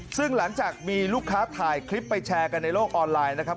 ซึ่งหลังจากมีลูกค้าถ่ายคลิปไปแชร์กันในโลกออนไลน์นะครับ